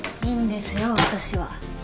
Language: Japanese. いいんですよ私は。